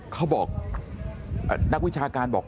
เขาบอกนักวิชาการบอก